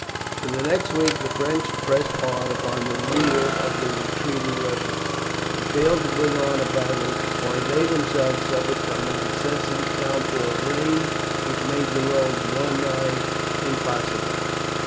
For the next week the French pressed hard upon the rear of the retreating Russians, but failed to bring on a battle, while they themselves suffered from an incessant downpour of rain which made the roads well nigh impassable.